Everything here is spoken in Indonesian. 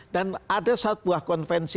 dan ada satu buah konvensi